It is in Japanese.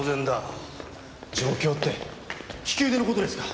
状況って利き腕の事ですか？